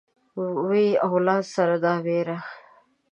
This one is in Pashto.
وي اولاد سره دا وېره